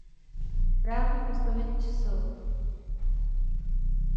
Právní postavení čsl.